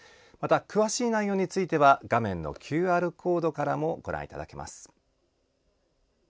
詳しい内容については画面のＱＲコードからもご覧いただけます。